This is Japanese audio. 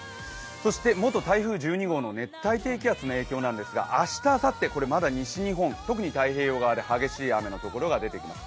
そして元台風１２号の熱帯低気圧の影響なんですが、明日あさって、まだ特に太平洋側で激しい雨のところが出てきます